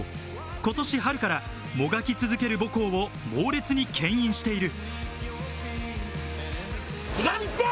今年春から、もがき続ける母校を猛烈に牽引している。